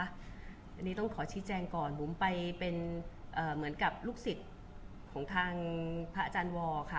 อันนี้ต้องขอชี้แจงก่อนบุ๋มไปเป็นเหมือนกับลูกศิษย์ของทางพระอาจารย์วอร์ค่ะ